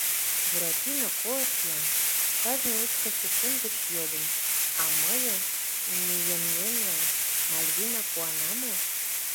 — Буратино, колышт-ян, — кажне лучко секунд гыч йодын, — а мыйын мийымемлан Мальвина куана мо?